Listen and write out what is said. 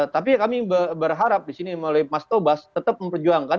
tapi kami berharap di sini oleh mas taufik basari tetap memperjuangkan